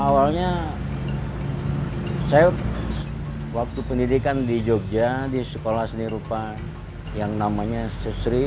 awalnya saya waktu pendidikan di jogja di sekolah seni rupa yang namanya sesri